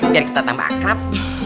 biar kita tambah akrab